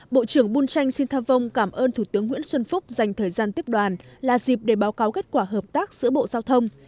bộ trưởng bun tranh xin tha vong cảm ơn thủ tướng nguyễn xuân phúc dành thời gian tiếp đoàn là dịp để báo cáo kết quả hợp tác giữa bộ giao thông